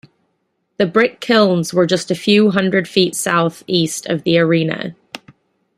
The brick kilns were just a few hundred feet southeast of the arena.